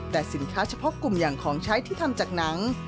แต่สินค้าเฉพาะกลุ่มอย่างของใช้ที่ทำจากหนัง